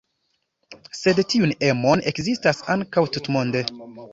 Sed tiun emon ekzistas ankaŭ tutmonde.